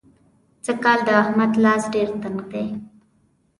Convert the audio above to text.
سږکال د احمد لاس ډېر تنګ دی.